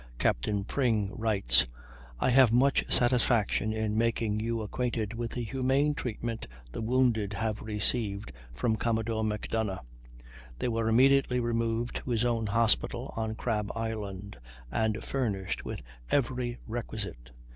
Captain Pring writes: "I have much satisfaction in making you acquainted with the humane treatment the wounded have received from Commodore Macdonough; they were immediately removed to his own hospital on Crab Island, and furnished with every requisite.